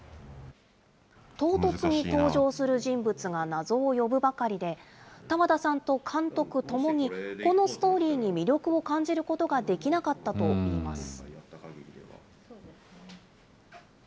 唐突に登場する人物が謎を呼ぶばかりで、多和田さんと監督ともに、このストーリーに魅力を感じることができなかったといいます。